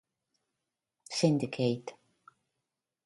Syndicate